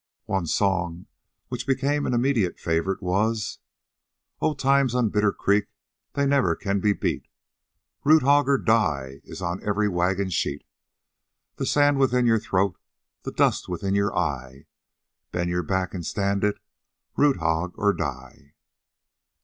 One song which became an immediate favorite was: "Oh! times on Bitter Creek, they never can be beat, Root hog or die is on every wagon sheet; The sand within your throat, the dust within your eye, Bend your back and stand it root hog or die."